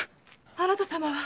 あなた様は？